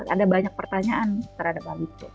ada banyak pertanyaan terhadap hal itu